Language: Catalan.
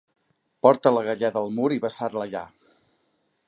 Porta la galleda al mur i vessar-la allà.